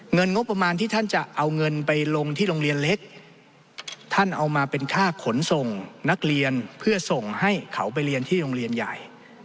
งบประมาณที่ท่านจะเอาเงินไปลงที่โรงเรียนเล็กท่านเอามาเป็นค่าขนส่งนักเรียนเพื่อส่งให้เขาไปเรียนที่โรงเรียนใหญ่